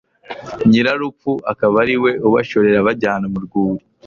nyirarupfu akaba ari we ubashorera abajyana mu rwuri